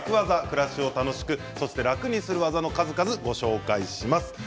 暮らしを楽しくそして楽にする技の数々をご紹介します。